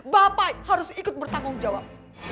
bapak harus ikut bertanggung jawab